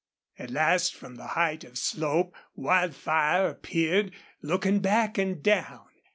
At last from the height of slope Wildfire appeared, looking back and down.